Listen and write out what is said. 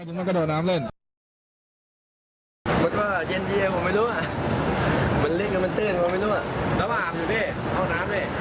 น้อยดูมันเกด่อน้ำเวร